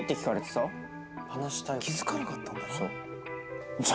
気付かなかったんだな。